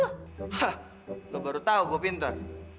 hah lo baru tau gue pintar